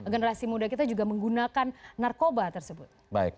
generasi muda kita juga menggunakan narkoba tersebut